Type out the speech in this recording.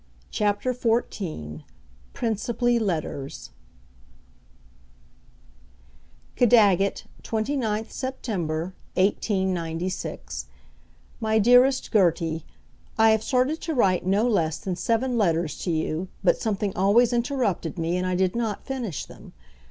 CHAPTER FOURTEEN Principally Letters Caddagat, 29th Sept., 1896 My dearest Gertie, I have started to write no less than seven letters to you, but something always interrupted me and I did not finish them.